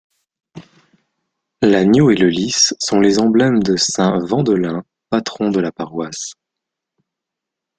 L'agneau et le lys sont les emblèmes de Saint Wendelin, patron de la paroisse.